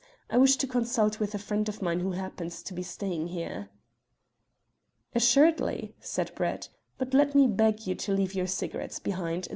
I wish to consult with a friend of mine who happens to be staying here." "Assuredly," said Brett; "but let me beg you to leave your cigarettes behind.